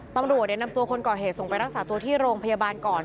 ตำรวจนำตัวคนก่อเหตุส่งไปรักษาตัวที่โรงพยาบาลก่อน